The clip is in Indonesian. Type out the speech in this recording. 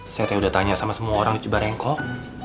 saya tadi udah tanya sama semua orang di cibarengkok